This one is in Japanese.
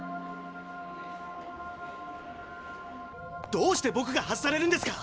どうしてぼくが外されるんですか！